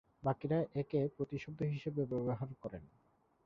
বাকিরা একে প্রতিশব্দ হিসাবে ব্যবহার করেন।